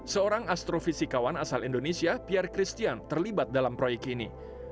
seorang astrofisikawan asal indonesia piar christian terlibat dalam proyek ini